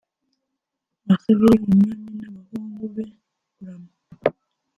basabire umwami n’abahungu be kurama